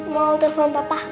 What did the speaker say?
mau telfon papa